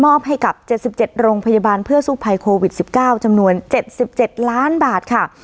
มอบให้กับเจ็ดสิบเจ็ดโรงพยาบาลเพื่อสู้ภัยโควิดสิบเก้าจำนวนเจ็ดสิบเจ็ดล้านบาทค่ะ